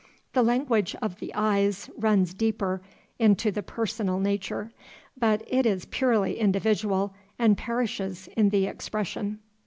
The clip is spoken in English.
The language of the eyes runs deeper into the personal nature, but it is purely individual, and perishes in the expression.